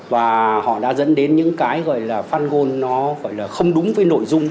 và họ đã dẫn đến những cái gọi là fan goal nó gọi là không đúng với nội dung